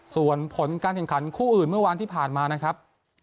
ส่วนผลการแข่งขันคู่อื่นเมื่อวานที่ผ่านมานะครับ